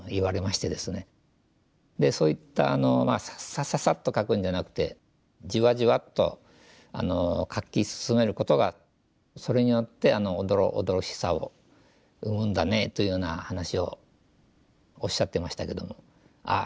そういったサササッと描くんじゃなくてじわじわっと描き進めることがそれによってあのおどろおどろしさを生むんだねというような話をおっしゃってましたけどもああ